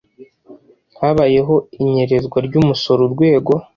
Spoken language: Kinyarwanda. Habayeho inyerezwa ry umusoro urwego